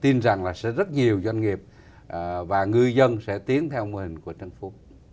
tôi tin rằng là sẽ rất nhiều doanh nghiệp và người dân sẽ tiến theo mô hình của trấn phú